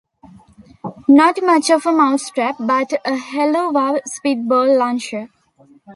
Not much of a mousetrap, but a helluva spitball launcher...